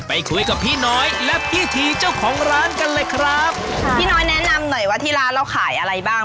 ไปคุยกับพี่น้อยและพี่ทีเจ้าของร้านกันเลยครับค่ะพี่น้อยแนะนำหน่อยว่าที่ร้านเราขายอะไรบ้าง